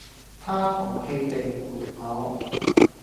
他淘氣地回我